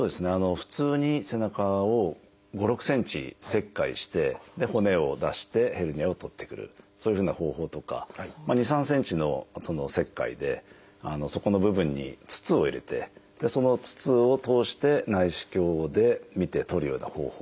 普通に背中を５６ｃｍ切開して骨を出してヘルニアを取ってくるそういうふうな方法とか２３ｃｍの切開でそこの部分に筒を入れてその筒を通して内視鏡で見て取るような方法。